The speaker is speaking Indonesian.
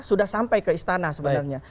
sudah sampai ke istana sebenarnya